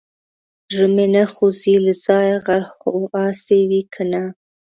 زړه مې نه خوځي له ځايه غر خو هسي وي که نه.